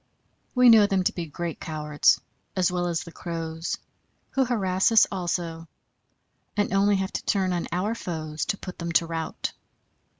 We know them to be great cowards, as well as the crows, who harass us also, and only have to turn on our foes to put them to rout.